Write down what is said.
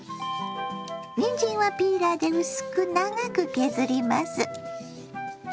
にんじんはピーラーで薄く長く削ります。